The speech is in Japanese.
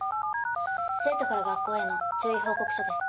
生徒から学校への注意報告書です。